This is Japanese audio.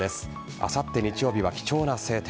あさって日曜日は貴重な晴天。